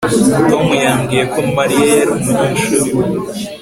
Tom yambwiye ko Mariya yari umunyeshuri we